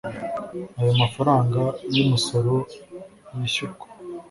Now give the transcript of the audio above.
ayo mafaranga y umusoro yishyurwa